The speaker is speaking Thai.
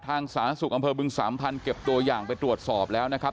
สาธารณสุขอำเภอบึงสามพันธุเก็บตัวอย่างไปตรวจสอบแล้วนะครับ